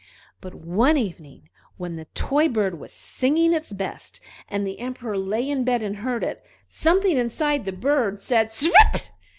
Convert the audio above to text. But one evening, when the toy bird was singing its best, and the Emperor lay in bed and heard it, something inside the bird said, "Svup!"